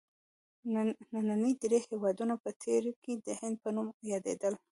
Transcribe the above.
ننني درې هېوادونه په تېر کې د هند په نوم یادیدل.